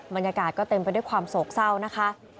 บรรยากาศก็เต็มไปด้วยความโศกเศร้านะคะ